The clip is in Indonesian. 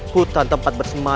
hutan tempat bersembang